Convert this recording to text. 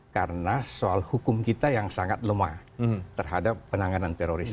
karena soal hukum kita yang sangat lemah terhadap penanganan teroris